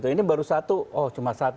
ini baru satu oh cuma satu